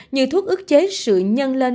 như thuốc ức chế sự nhân lên